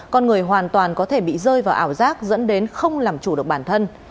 con người hoàn toàn có thể bị rơi vào ảo giác dẫn đến không làm chủ được bản thân